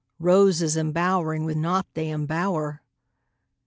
Roses embowering with naught they embower!